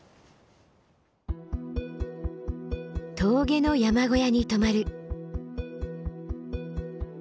峠の山小屋に泊まる。